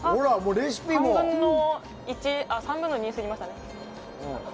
３分の２、走りましたね。